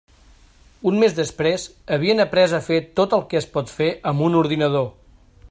Un mes després, havien après a fer tot el que es pot fer amb un ordinador.